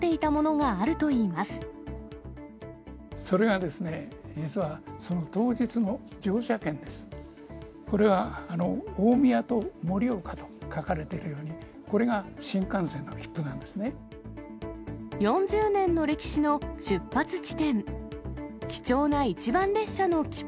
これは大宮と盛岡と書かれているように、これが新幹線の切符